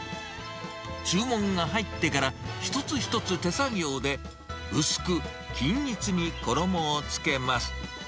注文が入ってから、一つ一つ手作業で、薄く均一に衣をつけます。